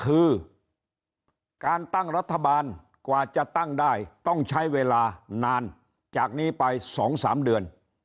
คือการตั้งรัฐบาลกว่าจะตั้งได้ต้องใช้เวลานานจากนี้ไป๒๓เดือน